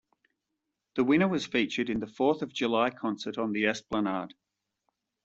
The winner was featured in the Fourth of July concert on the Esplanade.